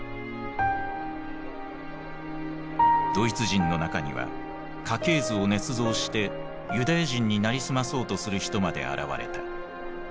ドイツ人の中には家系図をねつ造してユダヤ人に成り済まそうとする人まで現れた。